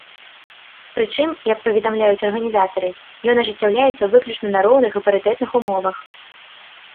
Прычым, як паведамляюць арганізатары, ён ажыццяўляецца выключна на роўных і парытэтных умовах.